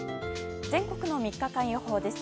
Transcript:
全国の３日間予報です。